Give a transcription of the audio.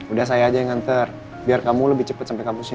udah saya aja yang nganter biar kamu lebih cepat sampai kampusnya